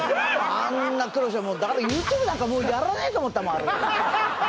あんな苦労するもんＹｏｕＴｕｂｅなんかもうやらないと思ったもんあれ